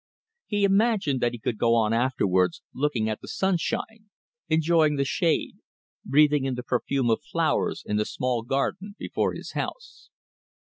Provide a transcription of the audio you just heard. He imagined that he could go on afterwards looking at the sunshine, enjoying the shade, breathing in the perfume of flowers in the small garden before his house.